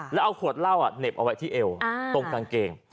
แล้วเอาขวดเหล้าเหน็บเอาไว้ที่เอวตรงกางเกง